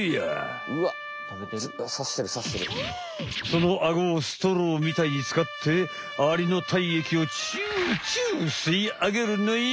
そのアゴをストローみたいにつかってアリの体液をチュウチュウ吸いあげるのよ。